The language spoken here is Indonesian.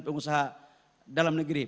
pengusaha dalam negeri